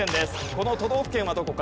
この都道府県はどこか？